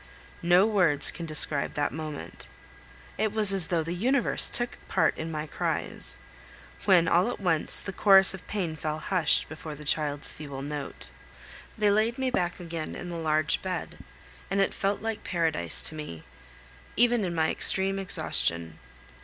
No words can describe that moment. It was as though the universe took part in my cries, when all at once the chorus of pain fell hushed before the child's feeble note. They laid me back again in the large bed, and it felt like paradise to me, even in my extreme exhaustion.